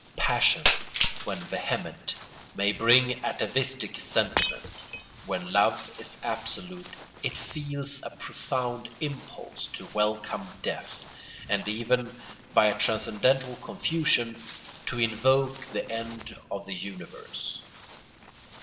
Passion, when vehement, may bring atavistic sentiments. When love is absolute it feels a profound impulse to welcome death, and even, by a transcendental confusion, to invoke the end of the universe.